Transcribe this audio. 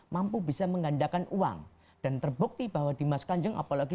mampu bisa menggandakan uang dan terbukti bahwa dimas kanjeng apalagi